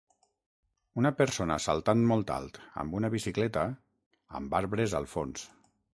Una persona saltant molt alt amb una bicicleta amb arbres al fons.